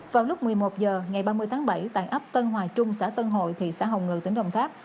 vào lúc một mươi một h ngày ba mươi tháng bảy tại ấp tân hòa trung xã tân hội thị xã hồng ngự tỉnh đồng tháp